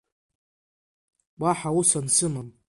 Уаҳа ус ансымам.